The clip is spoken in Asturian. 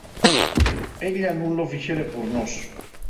Ella nun lo fixere por nós.